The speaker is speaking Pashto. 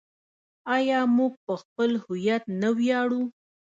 آیا موږ په خپل هویت نه ویاړو؟